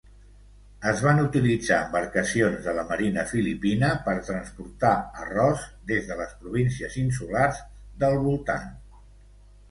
Es van utilitzar embarcacions de la marina filipina per transportar arròs des de les províncies insulars del voltant.